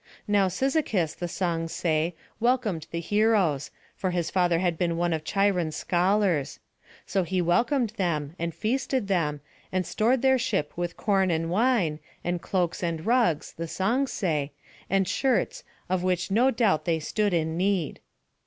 Now Cyzicus, the songs say, welcomed the heroes; for his father had been one of Cheiron's scholars; so he welcomed them, and feasted them, and stored their ship with corn and wine, and cloaks and rugs, the songs say, and shirts, of which no doubt they stood in need.